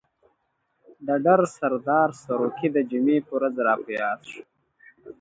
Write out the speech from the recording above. د ډر سردار سروکی د جمعې په ورځ را په ياد شو.